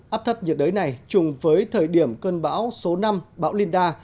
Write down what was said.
áp thấp nhiệt đới này chung với thời điểm cơn bão số năm bão linhda